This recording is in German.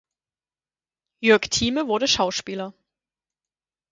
Jörg Thieme wurde Schauspieler.